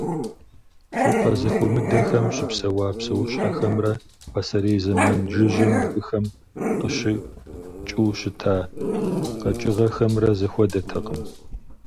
Щӏыпӏэ зэхуэмыдэхэм щыпсэуа псэущхьэхэмрэ пасэрей зэман жыжьэм абыхэм къыщыкӏыу щыта къэкӏыгъэхэмрэ зэхуэдэтэкъым.